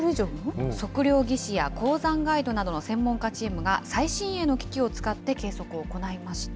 測量技師や高山ガイドなどの専門家チームが、最新鋭の機器を使って計測を行いました。